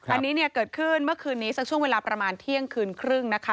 อันนี้เนี่ยเกิดขึ้นเมื่อคืนนี้สักช่วงเวลาประมาณเที่ยงคืนครึ่งนะคะ